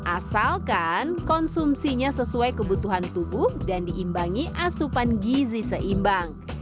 asalkan konsumsinya sesuai kebutuhan tubuh dan diimbangi asupan gizi seimbang